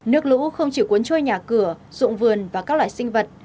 nước lũ không chỉ cuốn trôi nhà cửa dụng vườn và các loài sinh vật